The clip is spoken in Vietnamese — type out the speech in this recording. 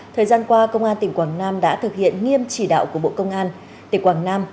thời gian qua công an tỉnh quảng nam đã thực hiện nghiêm chỉ đạo của bộ công an tỉnh quảng nam